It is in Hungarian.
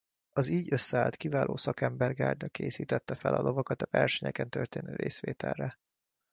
Az így összeállt kiváló szakember gárda készítette fel a lovakat a versenyeken történő részvételre.